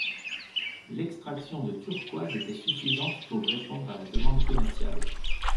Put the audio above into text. L’extraction de turquoise était suffisante pour répondre à la demande commerciale.